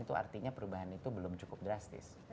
itu artinya perubahan itu belum cukup drastis